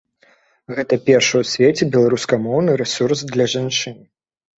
Гэта першы ў свеце беларускамоўны рэсурс для жанчын.